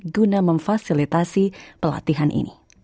guna memfasilitasi pelatihan ini